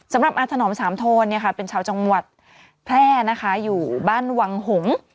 อาถนอมสามโทนเป็นชาวจังหวัดแพร่นะคะอยู่บ้านวังหงษ์